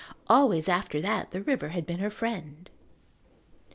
Always after that the river had been her friend.